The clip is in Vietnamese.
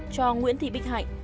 cho nguyễn thị bích hạnh